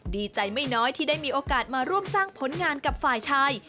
ดีใจไม่น้อยที่ได้มีโอกาสมาร่วมสร้างผลงานกับฝ่ายชาย